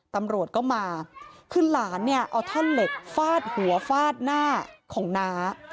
ตำรวจก็มาคือหลานเนี่ยเอาท่อนเหล็กฟาดหัวฟาดหน้าของน้า